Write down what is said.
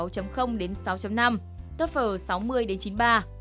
tốt phở sáu đến sáu năm tốt phở sáu mươi đến chín ba